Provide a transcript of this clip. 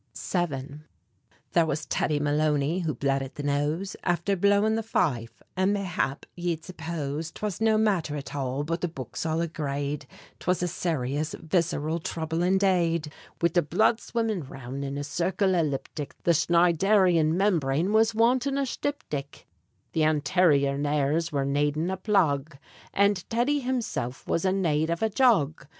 VII. There was Teddy Maloney who bled at the nose Afther blowin' the fife; and mayhap ye'd suppose 'Twas no matther at all; but the books all agrade Twas a serious visceral throuble indade; Wid the blood swimmin' roond in a circle elliptic, The Schneidarian membrane was wantin' a shtyptic; The anterior nares were nadin' a plug, And Teddy himself was in nade av a jug.